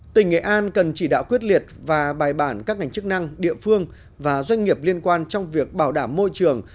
tỉnh nghệ an cần chỉ đạo quyết liệt và bài bản các ngành chức năng địa phương và doanh nghiệp liên quan trong việc bảo đảm môi trường